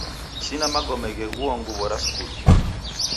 Sine magome gheghua nguw'o ra skulu.